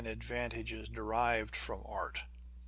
advantages derived from art.